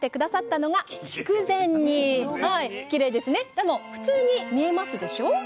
でも普通に見えますでしょ